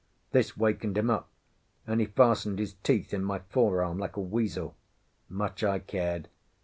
This wakened him up, and he fastened his teeth in my forearm like a weasel. Much I cared.